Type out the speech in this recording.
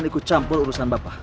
sampai jumpa di kampung urusan bapak